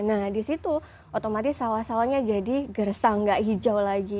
nah disitu otomatis sawah sawahnya jadi gersang nggak hijau lagi